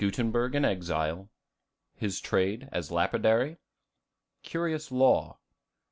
Gutenberg in Exile. His Trade as Lapidary. Curious Law.